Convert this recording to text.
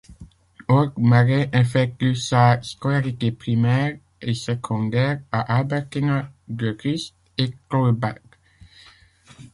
Org Marais effectue sa scolarité primaire et secondaire à Albertina, De Rust et Tulbagh.